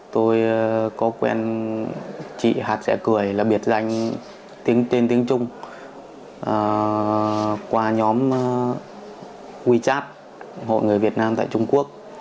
tôi có quen chị hạt sẻ cười là biệt danh tên tinh trung qua nhóm wechat hội người việt nam tại trung quốc